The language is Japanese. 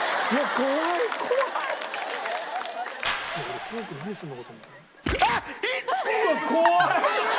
怖い怖い！